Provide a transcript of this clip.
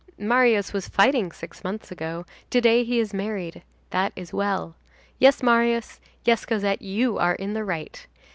Marius was fighting six months ago; to day he is married. That is well. Yes, Marius, yes, Cosette, you are in the right.